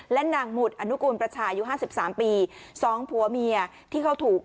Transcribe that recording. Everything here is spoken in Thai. และนางหมุดอนุกูลประชายุ๕๓ปี๒ผัวเมียที่เขาถูก